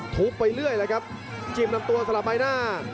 ไปเรื่อยเลยครับจิ้มลำตัวสลับใบหน้า